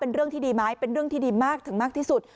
เรื่องที่ดีไหมเป็นเรื่องที่ดีมากถึงมากที่สุด